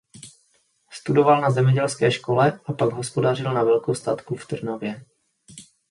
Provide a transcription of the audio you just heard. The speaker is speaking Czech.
Studoval na zemědělské škole a pak hospodařil na velkostatku v Trnavě.